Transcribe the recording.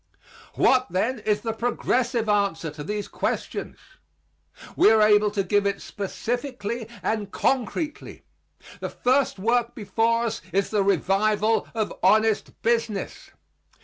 What, then, is the progressive answer to these questions? We are able to give it specifically and concretely. The first work before us is the revival of honest business.